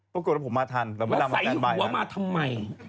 ปรากฏว่าผมมาทันแต่เวลามาแทนใบนั้นว่าใส่หัวมาทำไม